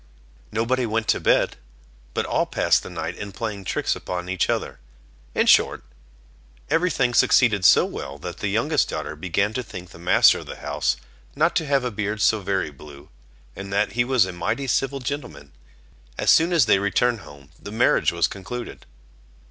Nobody went to bed, but all passed the night in playing tricks upon each other. In short, every thing succeeded so well, that the youngest daughter began to think the master of the house not to have a beard so very blue, and that he was a mighty civil gentleman. As soon as they returned home, the marriage was concluded.